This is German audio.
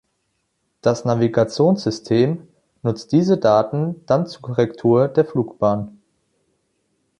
Das Navigationssystem nutzt diese Daten dann zur Korrektur der Flugbahn.